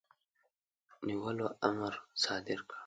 نیولو امر صادر کړ.